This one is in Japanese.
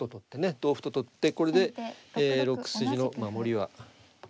同歩と取ってこれで６筋の守りは万全ですね。